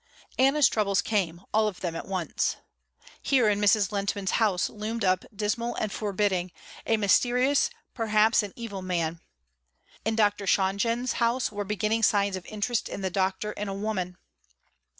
Anna's troubles came all of them at once. Here in Mrs. Lehntman's house loomed up dismal and forbidding, a mysterious, perhaps an evil man. In Dr. Shonjen's house were beginning signs of interest in the doctor in a woman.